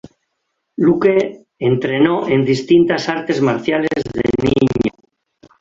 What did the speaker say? Luque entrenó en distintas artes marciales de niño.